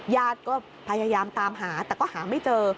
ญาติก็พยายามตามหาแต่ก็หาไม่เจอ